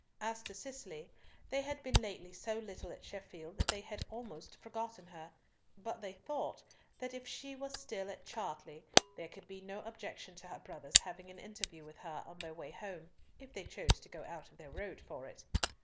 As to Cicely, they had been lately so little at Sheffield that they had almost forgotten her, but they thought that if she were still at Chartley, there could be no objection to her brothers having an interview with her on their way home, if they chose to go out of their road for it.